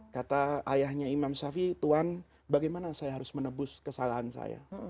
kata ayahnya imam shafi tuhan bagaimana saya harus menebus kesalahan saya